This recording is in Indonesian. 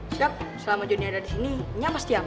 siap selama jonny ada di sini nyampe setiaman